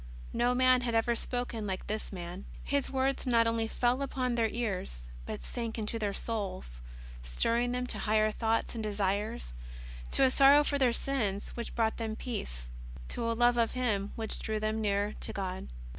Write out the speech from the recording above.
No man had ever spoken like this Man. His words not only fell upon their ears, but sank into their souls, stirring them to higher thoughts and desires, to a sorrow for their sins which brought them peace, to a love of Him which drew them near to God.